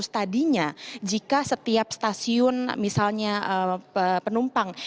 tadinya jika setiap stasiun misalnya penumpang